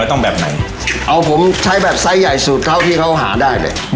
ต้องแบบไหนเอาผมใช้แบบไซส์ใหญ่สูตรเท่าที่เขาหาได้เลย